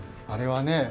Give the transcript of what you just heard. あれはね